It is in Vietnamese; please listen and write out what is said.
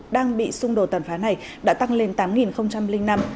đang bị xung đột tàn phá này đã tăng lên tám năm